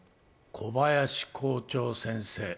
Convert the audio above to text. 小林校長先生。